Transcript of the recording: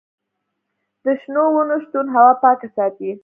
د شنو ونو شتون هوا پاکه ساتي.